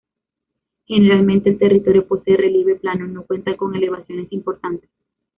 Generalmente el territorio posee relieve plano, no cuenta con elevaciones importantes.